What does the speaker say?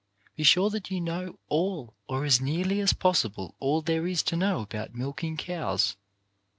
Be sure that you know all — or as nearly as possible all — there is to be known about milking cows.